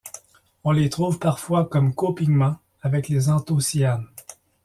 On les trouve parfois comme co-pigment avec les anthocyanes.